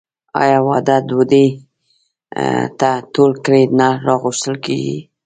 آیا د واده ډوډۍ ته ټول کلی نه راغوښتل کیږي؟